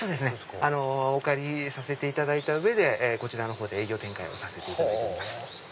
お借りさせていただいた上でこちらのほうで営業展開させていただいてます。